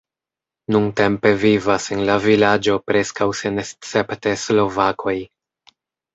Nuntempe vivas en la vilaĝo preskaŭ senescepte slovakoj.